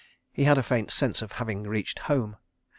He had a faint sense of having reached Home.